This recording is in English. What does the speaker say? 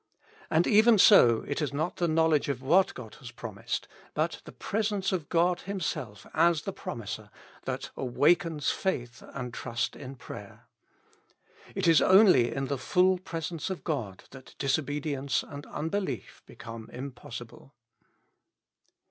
And even so it is not the knowledge of whai God has promised, but the pre sence of God Himself as the promiser, that awakens faith and trust in prayer. It is only in the full pre sence of God that disobedience and unbelief become impossible.